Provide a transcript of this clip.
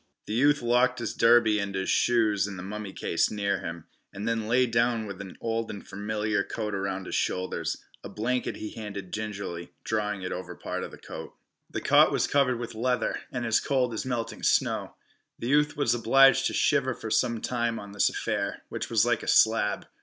The youth locked his derby and his shoes in the mummy case near him, and then lay down with an old and familiar coat around his shoulders. A blanket he handed gingerly, drawing it over part of the coat. The cot was covered with leather, and as cold as melting snow. The youth was obliged to shiver for some time on this affair, which was like a slab.